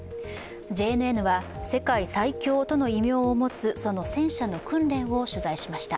ＪＮＮは世界最強との異名を持つその戦車の訓練を取材しました。